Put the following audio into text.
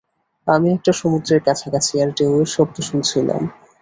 আমি একটা সমুদ্রের কাছাকাছি, আর ঢেউয়ের শব্দ শুনছিলাম।